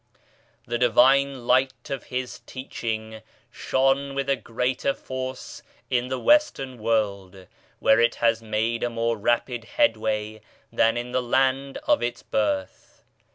The Divine Light of His Teaching shone with a greater force in the Western World, where it has made a more rapid headway than in the land of its birth.